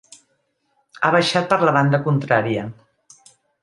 Ha baixat per la banda contrària.